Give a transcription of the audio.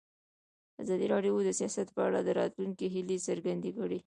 ازادي راډیو د سیاست په اړه د راتلونکي هیلې څرګندې کړې.